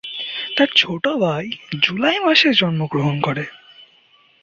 তার ছোট ভাই জুলাই মাসে জন্মগ্রহণ করে।